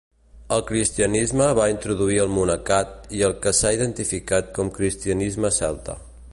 El cristianisme va introduir el monacat i el que s'ha identificat com cristianisme celta.